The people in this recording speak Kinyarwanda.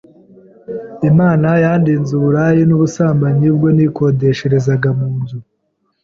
Imana yandinze uburaya n’ubusambanyi ubwo nikodesherezaga mu nzu